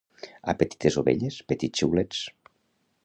A petites ovelles, petits xiulets.